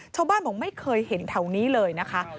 ชาวบ้านบอกไม่เคยเห็นแถวนี้เลยนะคะ